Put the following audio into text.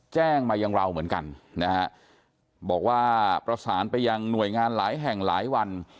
แจ้งมาอย่างเราเหมือนกันนะฮะบอกว่าประสานไปยังหน่วยงานหลายแห่งหลายวัน